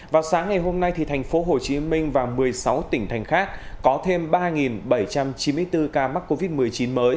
vào sáng ngày hôm nay thì thành phố hồ chí minh và một mươi sáu tỉnh thành khác có thêm ba bảy trăm chín mươi bốn ca mắc covid một mươi chín mới